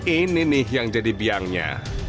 ini nih yang jadi biangnya